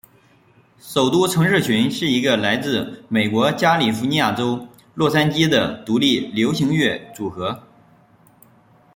首都城市群是一个来自美国加利福尼亚州洛杉矶的独立流行乐组合。